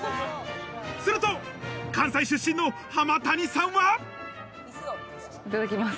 すると関西出身の濱谷さんはいただきます。